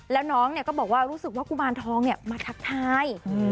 แล้วน้องก็บอกว่ารู้สึกว่ากุมารทองมาทักทาย